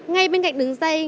ngay bên cạnh đường dây